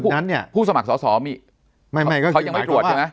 แต่ผู้สมัครสอสอเขายังไม่ตรวจใช่ไหม